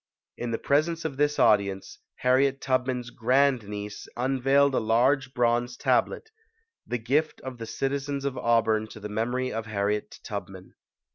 In the presence of this audience, Harriet Tub man's grand niece unveiled a large bronze tablet the gift of the citizens of Auburn to the memory of Harriet Tubman.